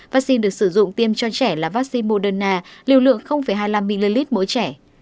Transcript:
vaccine được sử dụng tiêm cho trẻ là vaccine moderna liều lượng hai mươi năm ml mỗi trẻ